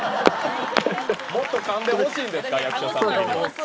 もっとかんでほしいんですか、役所さんは。